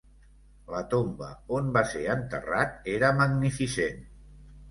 La tomba on va ser enterrat era magnificent.